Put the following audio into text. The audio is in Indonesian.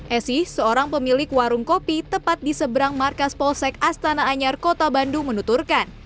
esi seorang pemilik warung kopi tepat di seberang markas polsek astana anyar kota bandung menuturkan